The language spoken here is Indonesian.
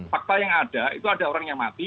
fakta yang ada itu ada orang yang mati